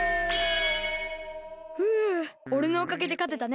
ふうおれのおかげでかてたね。